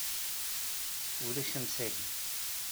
Ulac amsali.